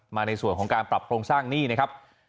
ในส่วนของการปรับโครงสร้างหนี้นะครับ